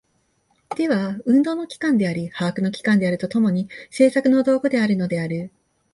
手は運動の機関であり把握の機関であると共に、製作の道具であるのである。